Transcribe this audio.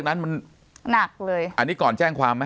อะนี่ก่อนแจ้งความมะ